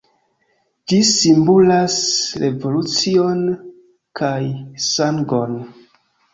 Ĝi simbolas revolucion kaj sangon.